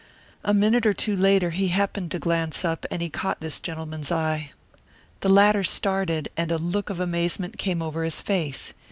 A minute or two later he happened to glance up, and he caught this gentleman's eye. The latter started, and a look of amazement came over his face.